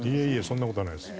そんな事はないです。